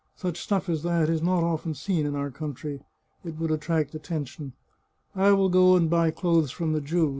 Such stuflf as that is not often seen in our country. It would attract attention. I will go and buy clothes from the Jew.